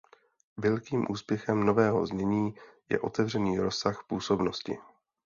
Velkým úspěchem nového znění je otevřený rozsah působnosti.